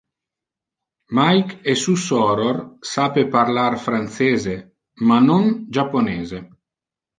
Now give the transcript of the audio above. Mike e su soror sape parlar francese, ma non japonese.